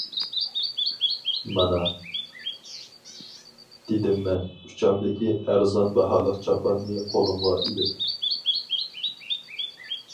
-مانا. ، -دېدىممەن ئۇچامدىكى ئەرزان باھالىق چاپاننى قولۇمغا ئېلىپ.